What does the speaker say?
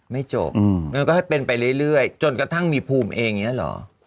ไม่จบก็ให้เป็นไปเรื่อยจนทั้งมีภูมิเองใช่หรอ